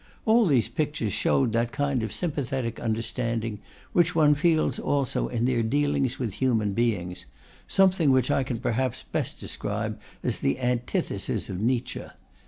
All these pictures showed that kind of sympathetic understanding which one feels also in their dealings with human beings something which I can perhaps best describe as the antithesis of Nietzsche.